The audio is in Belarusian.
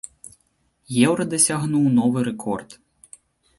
Еўра дасягнуў новы рэкорд.